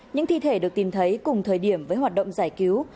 những thi thể được tìm thấy cùng thời điểm với hoạt động giải cứu